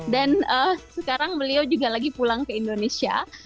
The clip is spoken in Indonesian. dan sekarang beliau juga lagi pulang ke indonesia